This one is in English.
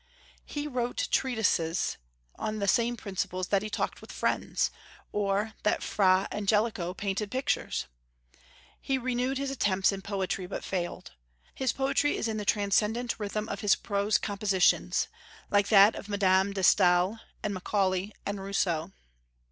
He wrote treatises on the same principles that he talked with friends, or that Fra Angelico painted pictures. He renewed his attempts in poetry, but failed. His poetry is in the transcendent rhythm of his prose compositions, like that of Madame de Staël, and Macaulay, and Rousseau.